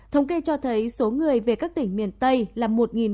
thống kê cho thấy số người về các tỉnh miền tây là một bảy trăm linh